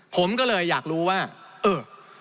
ผมก็เลยอยากรู้ว่าเออ